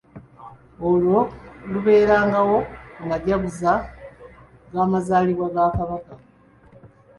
Olwo lubeerangawo ku majaguza g’amazaalibwa ga Kabaka.